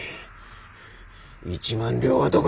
一万両はどこだ？